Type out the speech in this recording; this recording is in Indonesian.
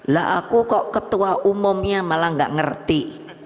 lah aku kok ketua umumnya malah gak ngerti